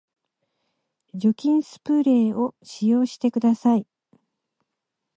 除菌スプレーを使用してください